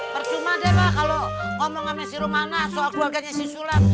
percuma deh mak kalo ngomong sama si rum anak soal keluarganya si sulam